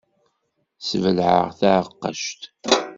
Sbelɛeɣ taɛeqqact.